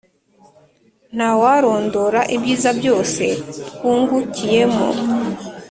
nta warondora ibyiza byose twungukiyemo